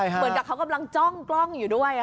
เหมือนกับเขากำลังจ้องกล้องอยู่ด้วย